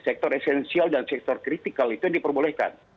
sektor esensial dan sektor kritikal itu yang diperbolehkan